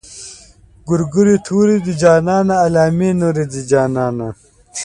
ګورګورې تورې دي جانانه علامې نورې دي جانانه.